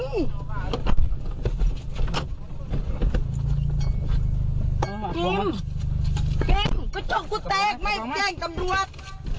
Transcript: กิมกระโจ๊กกูแตกไม่แกล้งกำรวจ